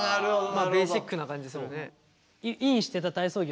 まあベーシックな感じするね。